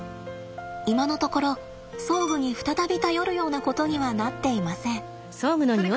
今のところ装具に再び頼るようなことにはなっていません。